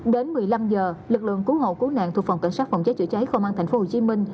đến một mươi năm h lực lượng cứu hộ cứu nạn thuộc phòng cảnh sát phòng cháy chữa cháy không ăn thành phố hồ chí minh